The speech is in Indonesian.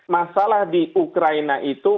masalah di ukraina itu